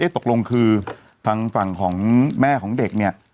เอ๊ะตกลงคือฝั่งจุดของแม่ของเด็กเนี่ย